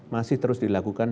masih terus dilakukan